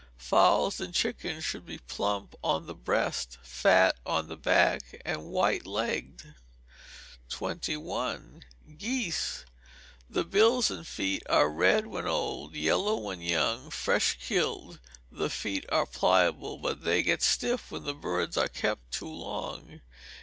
Fowls and chickens should be plump on the breast, fat on the back, and white legged. 21. Geese. The bills and feet are red when old, yellow when young. Fresh killed, the feet are pliable, but they get stiff when the birds are kept too long.